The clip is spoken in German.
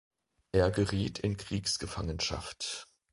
Er geriet in Kriegsgefangenschaft.